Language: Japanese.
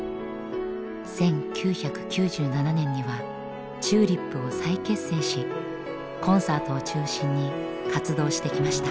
１９９７年にはＴＵＬＩＰを再結成しコンサートを中心に活動してきました。